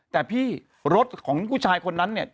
แต่พี่รถของผู้ชายคนนั้นเนี่ย